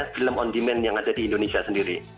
film on demand yang ada di indonesia sendiri